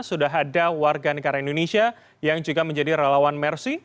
sudah ada warga negara indonesia yang juga menjadi relawan mersi